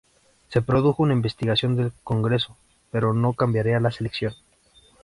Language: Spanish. Se produjo una investigación del Congreso, pero no cambiaría la selección.